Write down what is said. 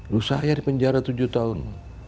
lu saya di penjara tujuh tahun